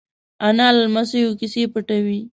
انا له لمسيو کیسې پټوي